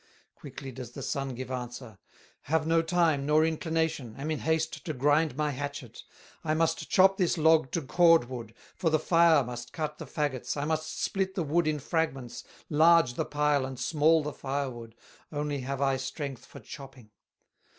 Quickly does the son give answer: "Have no time, nor inclination, Am in haste to grind my hatchet; I must chop this log to cordwood, For the fire must cut the faggots, I must split the wood in fragments, Large the pile and small the fire wood, Only have I strength for chopping."